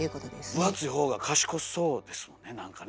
分厚いほうが賢そうですもんねなんかね。